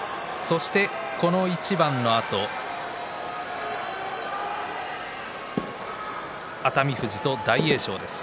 この一番のあと熱海富士と大栄翔です。